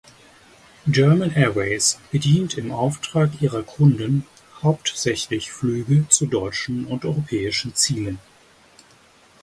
German Airways bedient im Auftrag ihrer Kunden hauptsächlich Flüge zu deutschen und europäischen Zielen.